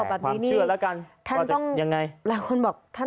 ความเชื่อแล้วกัน